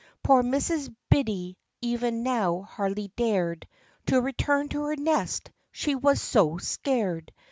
Poor Mrs. Biddy even now hardly dared To return to her nest, she was so scared.